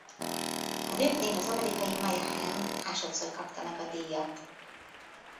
A nőknél az amerikai Mia Hamm másodszor kapta meg a díjat.